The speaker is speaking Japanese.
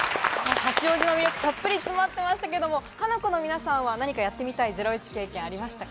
八王子の魅力、たっぷり詰まっていましたが、ハナコの皆さんは何かやってみたいゼロイチ経験はありましたか？